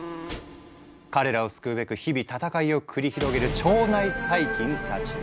彼らを救うべく日々戦いを繰り広げる腸内細菌たち。